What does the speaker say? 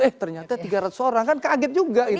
eh ternyata tiga ratus orang kan kaget juga itu